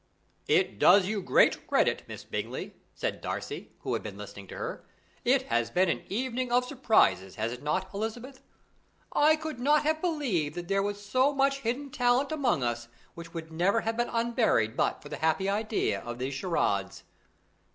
"It does you great credit, Miss Bingley," said Darcy, who had been listening to her. "It has been an evening of surprises, has it not, Elizabeth? I could not have believed that there was so much hidden talent among us, which would never have been unburied but for the happy idea of these charades."